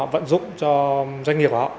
vận dụng cho doanh nghiệp họ